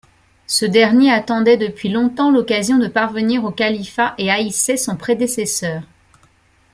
Ce dernier attendait depuis longtemps l'occasion de parvenir au califat et haïssait son prédécesseur.